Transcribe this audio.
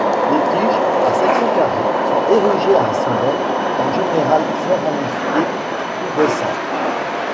Les tiges, à section carrée, sont érigées à ascendantes, en général très ramifiées, pubescentes.